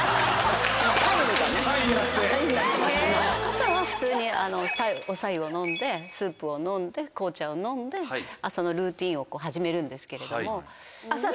朝は普通にお白湯を飲んでスープを飲んで紅茶を飲んで朝のルーティンを始めるんですけれども。